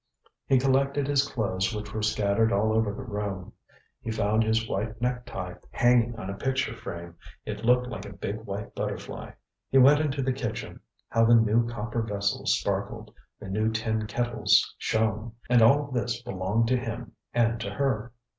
He collected his clothes which were scattered all over the room; he found his white neck tie hanging on a picture frame; it looked like a big white butterfly. He went into the kitchen. How the new copper vessels sparkled, the new tin kettles shone! And all this belonged to him and to her!